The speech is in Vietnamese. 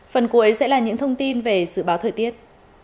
phần cuối sẽ là những thông tin về dự báo thời tiết